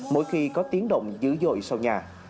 mỗi khi có tiếng động dữ dội sau nhà